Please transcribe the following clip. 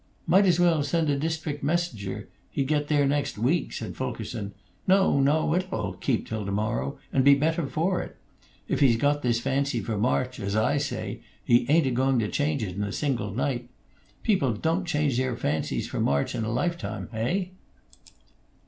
"Might as well send a district messenger; he'd get there next week," said Fulkerson. "No, no! It'll all keep till to morrow, and be the better for it. If he's got this fancy for March, as I say, he ain't agoing to change it in a single night. People don't change their fancies for March in a lifetime. Heigh?"